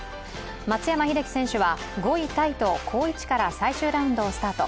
松山英樹選手は５位タイと好位置から最終ラウンドをスタート。